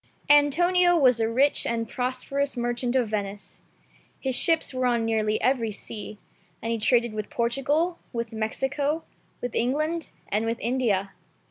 ANTONIO was a rich and prosperous merchant of Venice. His ships were on nearly every sea, and he traded with Portugal, with Mexico, with England, and with India.